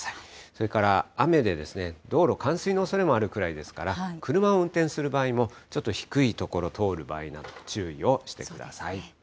それから雨で道路、冠水のおそれもあるくらいですから、車を運転する場合も、ちょっと低い所通る場合など、注意をしてください。